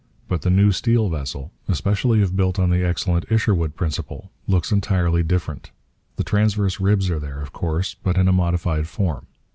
But the new steel vessel, especially if built on the excellent Isherwood principle, looks entirely different. The transverse ribs are there, of course, but in a modified form.